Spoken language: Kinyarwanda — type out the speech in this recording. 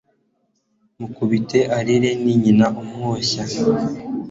mukubite arire ni nyina umwoshya